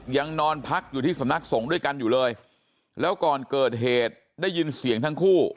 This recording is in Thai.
ยังนอนพักอยู่ที่สำนักสงฆ์ด้วยกันอยู่เลยแล้วก่อนเกิดเหตุได้ยินเสียงทั้งคู่